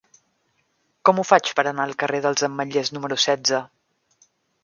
Com ho faig per anar al carrer dels Ametllers número setze?